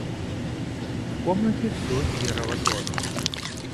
В комнате всё серого тона.